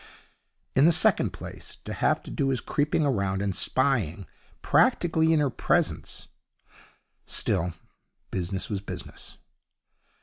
In the second place, to have to do his creeping about and spying practically in her presence Still, business was business.